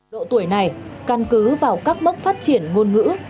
độ tuổi này căn cứ vào các mốc phát triển ngôn ngữ